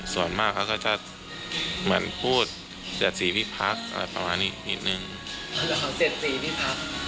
ส่วนมากเขาก็จะเหมือนพูดเสียดสีพี่พักอะไรประมาณนี้นิดหนึ่งเหรอเสียดสีพี่พัก